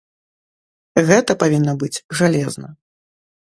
Гэта павінна быць жалезна.